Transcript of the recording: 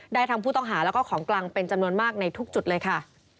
ได้ทั้งผู้ต้องหาแล้วก็ของกลางเป็นจำนวนมากในทุกจุดเลยค่ะ